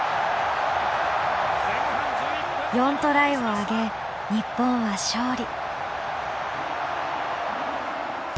４トライをあげ日本は勝利。